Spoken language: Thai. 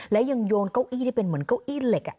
และยังโยนเก้าอี้ที่เป็นเหมือนเก้าอี้เหล็ก